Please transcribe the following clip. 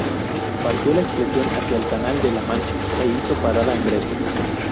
Partió la expedición hacia el canal de la Mancha, e hizo parada en Brest.